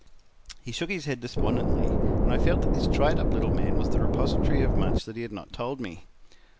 He shook his head despondently, and I felt that this dried up little man was the repository of much that he had not told me.